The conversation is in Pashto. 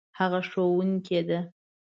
هغه ښوونکې ده